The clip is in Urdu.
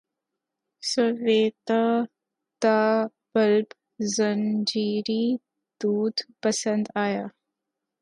سویدا تا بلب زنجیری دود سپند آیا